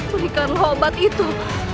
berikanlah obat itu